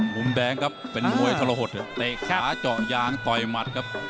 มุมแดงครับเป็นมวยทรหดเตะขาเจาะยางต่อยหมัดครับ